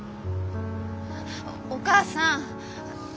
お母さん。